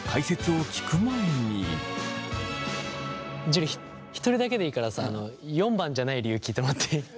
樹１人だけでいいからさ４番じゃない理由聞いてもらっていい？